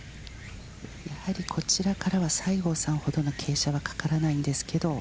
こちらからは、西郷さんほどの傾斜はかからないんですけど。